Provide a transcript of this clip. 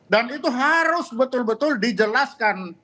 dan itu harus betul betul dijelaskan